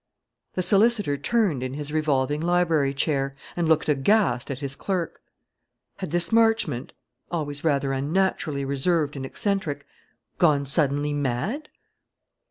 The solicitor turned in his revolving library chair, and looked aghast at his clerk. Had this Marchmont always rather unnaturally reserved and eccentric gone suddenly mad?